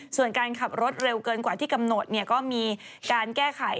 ส่วนการขับรถเร็วเกินกว่าที่กำหนดก็มีการแก้ไข